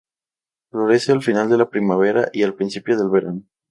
Florece al final de la primavera y principio del verano.